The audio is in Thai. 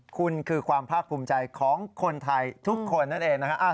คุณคือความภาคภูมิใจของคนไทยทุกคนนั่นเองนะฮะ